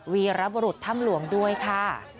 วีรบรุษถ้ำหลวงด้วยค่ะ